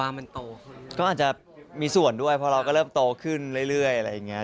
อาจจะมีส่วนด้วยเพราะเราก็เริ่มโตขึ้นเรื่อย